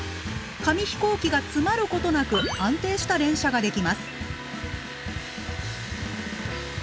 紙飛行機が詰まることなく安定した連射ができます。